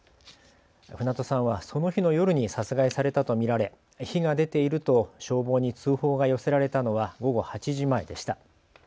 船戸さんはその日の夜に殺害されたと見られ火が出ていると消防に通報が寄せられたのは午後８時前でした。